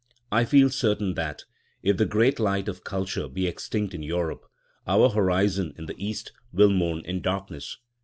I feel certain that, if the great light of culture be extinct in Europe, our horizon in the East will mourn in darkness.